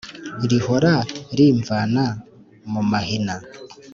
rihora rimvana mu mahina.